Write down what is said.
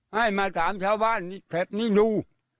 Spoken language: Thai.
ให้มาถามชาวบ้านแถบนี้ดู